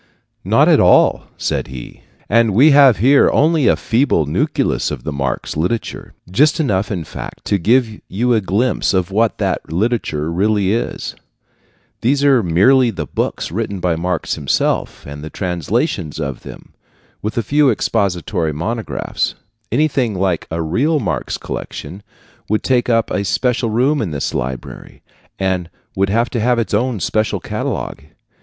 "Not at all," said he; "and we have here only a feeble nucleus of the Marx literature just enough, in fact, to give you a glimpse of what that literature really is. These are merely the books written by Marx himself, and the translations of them, with a few expository monographs. Anything like a real Marx collection would take up a special room in this library, and would have to have its own separate catalogue.